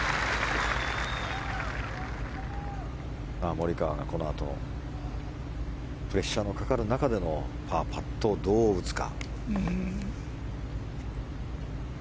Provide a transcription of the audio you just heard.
モリカワがこのあとプレッシャーのかかる中でのパーパットをどう打つか。